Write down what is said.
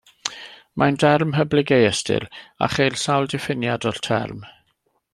Mae'n derm hyblyg ei ystyr, a cheir sawl diffiniad o'r term.